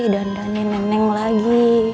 dandanin neneng lagi